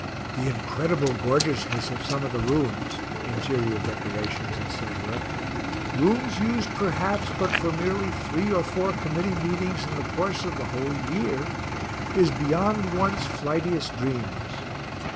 The incredible gorgeousness of some of the rooms, (interior decorations, etc.) rooms used perhaps but for merely three or four committee meetings in the course of the whole year is beyond one's flightiest dreams.